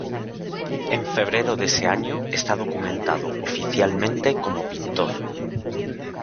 En febrero de ese año está documentado oficialmente como pintor.